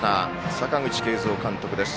阪口慶三監督です。